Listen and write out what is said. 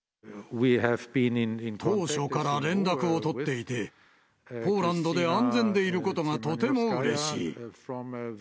当初から連絡を取っていて、ポーランドで安全でいることがとてもうれしい。